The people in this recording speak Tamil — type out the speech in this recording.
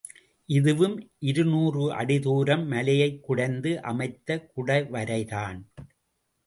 இதுவும் இருநூறு அடி தூரம் மலையைக் குடைந்து அமைத்த குடைவரைதான்.